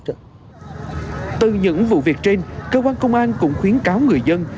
từ những vụ việc trên cơ quan công an cũng khuyến cáo người dân